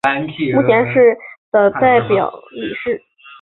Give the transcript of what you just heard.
目前是的代表理事。